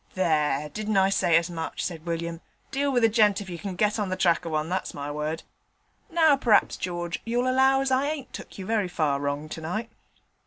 'There, didn't I say as much?' said William. 'Deal with a gent if you can get on the track of one, that's my word. Now perhaps, George, you'll allow as I ain't took you very far wrong tonight.'